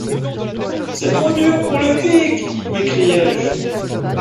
C’est trop dur pour le pic, m’écriai-je.